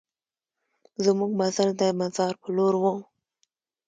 زمونږ مزل د مزار په لور و.